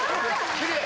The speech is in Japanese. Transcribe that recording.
きれい。